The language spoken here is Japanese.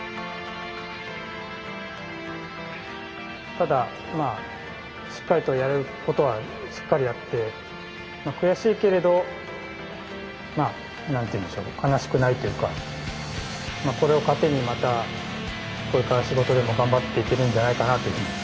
ただしっかりとやれることはしっかりやって悔しいけれどなんていうんでしょうか悲しくないというかこれを糧にまたこれから仕事でも頑張っていけるんじゃないかなというふうに。